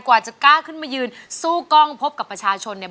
กว่าจะกล้าขึ้นมายืนสู้กล้องพบกับประชาชนเนี่ย